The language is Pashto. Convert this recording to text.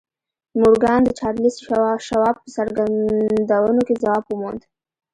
مورګان د چارلیس شواب په څرګندونو کې ځواب وموند